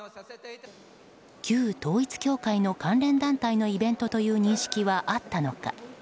旧統一教会の関連団体のイベントという認識はあったのか。